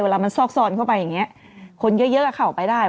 เวลามันซอกซอนเข้าไปอย่างนี้คนเยอะเข้าไปได้